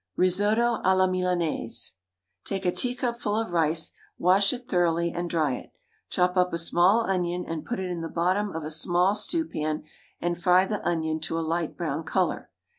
RISOTTO A LA MILANNAISE. Take a teacupful of rice, wash it thoroughly and dry it. Chop up a small onion and put it in the bottom of a small stew pan and fry the onion to a light brown colour.